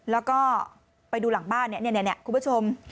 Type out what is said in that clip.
แล้วก็ไปดูหลังบ้านเนี่ยคุณผู้ชม